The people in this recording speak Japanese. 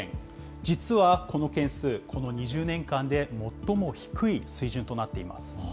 実はこの件数、この２０年間で最も低い水準となっています。